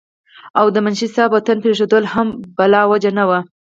او د منشي صېب وطن پريښودل هم بلاوجه نه وو